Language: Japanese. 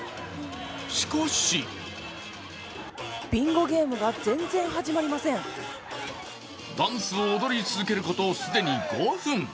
しかしダンスを踊り続けること、既に５分。